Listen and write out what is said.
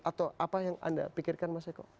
atau apa yang anda pikirkan mas eko